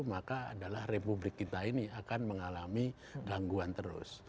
maka adalah republik kita ini akan mengalami gangguan terus